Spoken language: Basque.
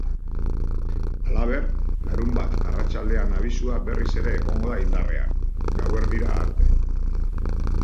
Halaber, larunbat arratsaldean abisua berriz ere egongo da indarrean, gauerdira arte.